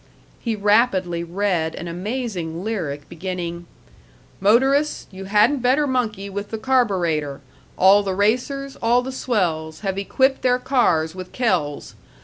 He rapidly read an amazing lyric beginning, "Motorists, you hadn't better monkey with the carburetor, all the racers, all the swells, have equipped their cars with Kells.